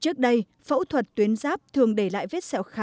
trước đây phẫu thuật tuyến sáp thường đề lại với các bệnh nhân